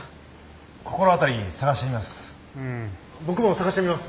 心当たり探してみます。